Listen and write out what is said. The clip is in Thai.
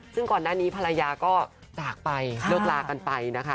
ซึ่งก่อนหน้านี้ภรรยาก็จากไปเลิกลากันไปนะคะ